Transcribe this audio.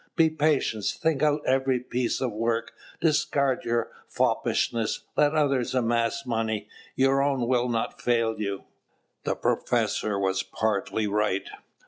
Be patient; think out every piece of work, discard your foppishness; let others amass money, your own will not fail you." The professor was partly right.